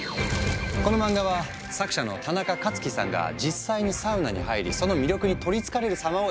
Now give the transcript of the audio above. この漫画は作者のタナカカツキさんが実際にサウナに入りその魅力に取りつかれる様を描いたもの。